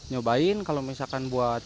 cobain kalau misalkan buat